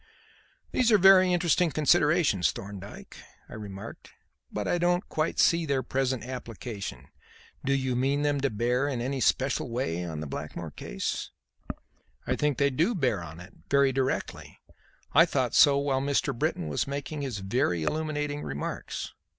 "These are very interesting considerations, Thorndyke," I remarked; "but I don't quite see their present application. Do you mean them to bear in any special way on the Blackmore case?" "I think they do bear on it very directly. I thought so while Mr. Britton was making his very illuminating remarks."